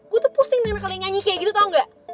gue tuh pusing dengan kalian nyanyi kayak gitu tau gak